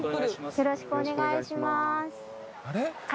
よろしくお願いします。